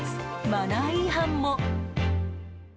マナー違反も。